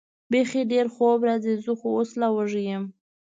بېخي ډېر خوب راځي، زه خو اوس لا وږی یم.